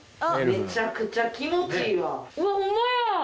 めちゃくちゃ気持ちいいわ。